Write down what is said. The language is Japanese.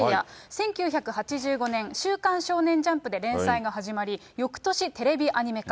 １９８５年、週刊少年ジャンプで連載が始まり、よくとしテレビアニメ化。